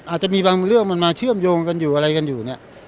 อาจจะมีบางเรื่องมันมาเชื่อมโยงกันอยู่อะไรกันอยู่เนี่ย